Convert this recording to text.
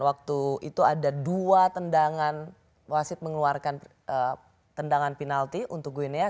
waktu itu ada dua tendangan wasit mengeluarkan tendangan penalti untuk gwennya